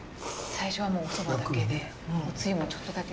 最初はもうお蕎麦だけでもうおつゆもちょっとだけ。